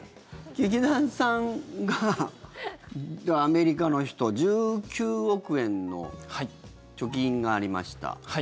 劇団さんがアメリカの人１９億円の貯金がありました。